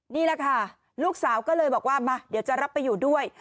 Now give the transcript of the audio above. นี่แหละค่ะลูกสาวก็เลยบอกว่ามาเดี๋ยวจะรับไปอยู่ด้วย